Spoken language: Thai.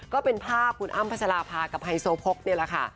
ก็เป็นภาพคุณอ้ำพัชราภากับไฮโซโพกนี่แหละค่ะ